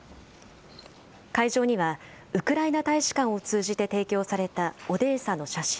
会場にはウクライナ大使館を通じて提供されたオデーサの写真